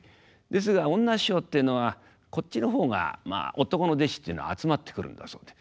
ですが女師匠っていうのはこっちの方がまあ男の弟子というのは集まってくるんだそうで。